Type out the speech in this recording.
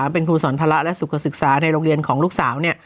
เป็นครูสอนภาระและสุขศึกษาในโรงเรียนของลูกสาว